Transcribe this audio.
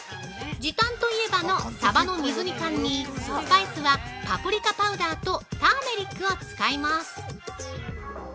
時短といえばのサバの水煮缶に、スパイスは、パプリカパウダーとターメリックを使います。